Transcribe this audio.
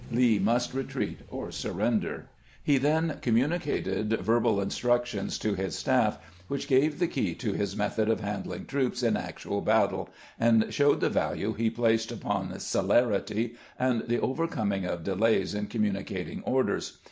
Lee must retreat or surrender." He then communicated verbal instructions to his staff, which gave the key to his method of handling troops in actual battle, and showed the value he placed upon celerity and the overcoming of delays in commu nicating orders.